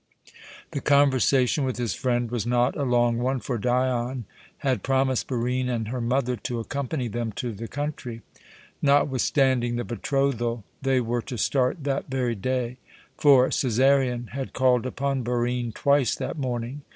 The conversation with his friend was not a long one, for Dion had promised Barine and her mother to accompany them to the country. Notwithstanding the betrothal, they were to start that very day; for Cæsarion had called upon Barine twice that morning.